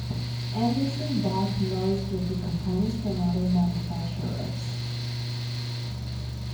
Anderson bought most of the components from other manufacturers.